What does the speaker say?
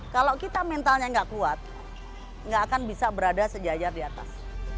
kalau kita mentalnya nggak kuat nggak akan bisa berada sejajar di atas